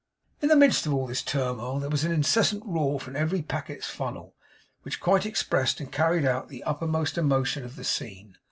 In the midst of all this turmoil there was an incessant roar from every packet's funnel, which quite expressed and carried out the uppermost emotion of the scene.